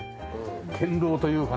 堅牢というかね。